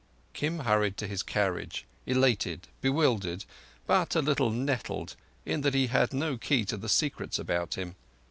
Kim hurried to his carriage: elated, bewildered, but a little nettled in that he had no key to the secrets about him.